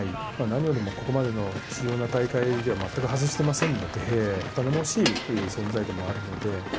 何よりもここまでの主要な大会では全く外してませんので、頼もしいという存在でもあるので。